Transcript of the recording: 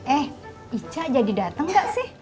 eh ica jadi datang gak sih